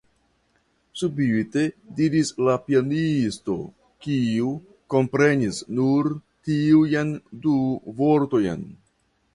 subite diris la pianisto, kiu komprenis nur tiujn du vortojn.